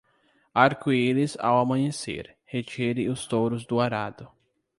Arco-íris ao amanhecer, retire os touros do arado.